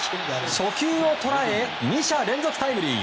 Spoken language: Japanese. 初球を捉え２者連続タイムリー！